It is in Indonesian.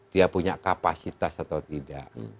dia punya kapasitas atau tidak